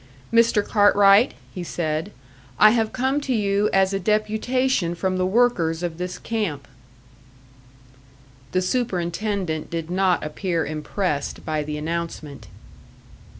"Mr. Cartwright," he said, "I have come to you as a deputation from the workers of this camp." The superintendent did not appear impressed by the announcement.